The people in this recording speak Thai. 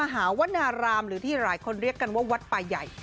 หรือที่หลายคนเรียกว่าวัดป่าย่าย